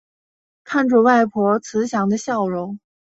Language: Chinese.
看着外婆慈祥的笑容